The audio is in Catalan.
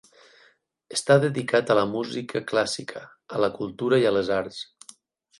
Està dedicat a la música clàssica, a la cultura i a les arts.